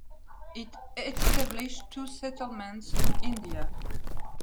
It established two settlements in India.